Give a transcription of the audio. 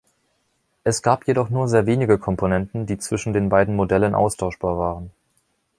Es gab jedoch nur sehr wenige Komponenten, die zwischen den beiden Modellen austauschbar waren.